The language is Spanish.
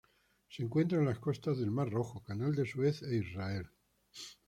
Se encuentran en las costas del Mar Rojo, Canal de Suez e Israel.